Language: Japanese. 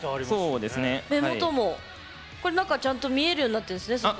目元、これもちゃんと見えるようになってるんですか。